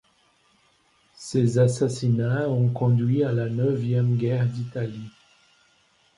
Ces assassinats ont conduit à la neuvième guerre d'Italie.